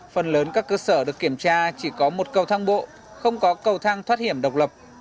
phần lớn các cơ sở được kiểm tra chỉ có một cầu thang bộ không có cầu thang thoát hiểm độc lập